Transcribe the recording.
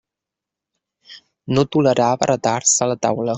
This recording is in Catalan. No tolerava retards a la taula.